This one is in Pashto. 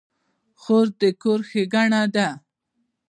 خور د کور ښېګڼه ده.